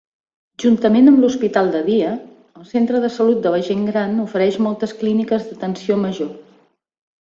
Juntament amb l'Hospital de dia, el centre de salut de la gent gran ofereix moltes clíniques d'atenció major.